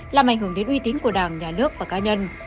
làm ảnh hưởng đến uy tín của đảng nhà nước và cá nhân